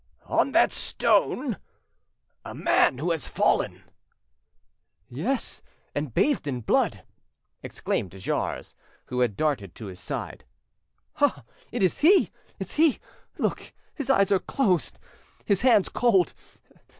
"On that stone? A man who has fallen!" "Yes, and bathed in blood," exclaimed de Jars, who had darted to his side. "Ah! it's he! it's he! Look, his eyes are closed, his hands cold!